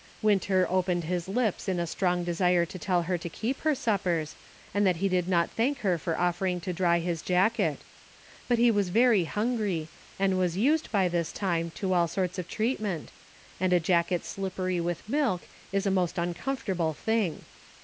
Winter opened his lips in a strong desire to tell her to keep her suppers, and he did not thaak her for offering to dry his jacket ; but he was very hungry, and was used, by this time, to all sorts of treatment, and a jacket slippery with milk is a 66 SOME HALF WAV THINKING. most uncomfortable thing.